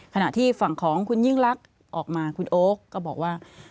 ขณะที่ฝั่งของคุณยิ่งลักษณ์ออกมาคุณโอ๊คก็บอกว่า